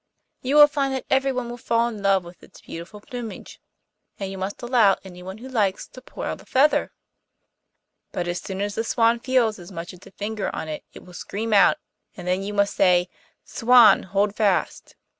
You will find that everyone will fall in love with its beautiful plumage, and you must allow anyone who likes to pull out a feather. But as soon as the swan feels as much as a finger on it, it will scream out, and then you must say, "Swan, hold fast."